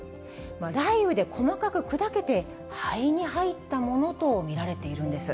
雷雨で細かく砕けて、肺に入ったものと見られているんです。